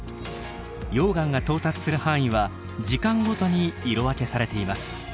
溶岩が到達する範囲は時間ごとに色分けされています。